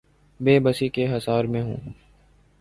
بے بسی کے حصار میں ہوں۔